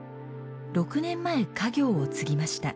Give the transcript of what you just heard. ６年前、家業を継ぎました。